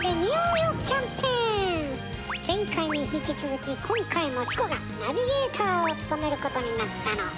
前回に引き続き今回もチコがナビゲーターを務めることになったの。